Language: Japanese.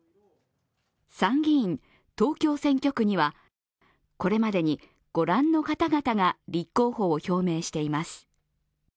参議院・東京選挙区にはこれまでに御覧の方々が立候補を表明しています。